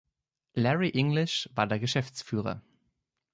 Larry English war der Geschäftsführer.